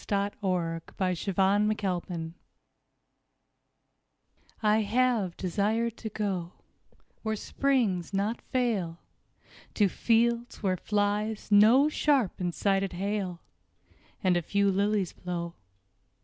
HOPWOOD I HAVE DESIRED TO GO I HAVE desired to go Where springs not fail, To fields where flies no sharp and sided hail, And a few lilies blow.